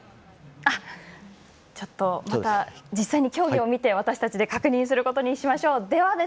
ちょっと、また実際に競技を見て確認することにしましょう。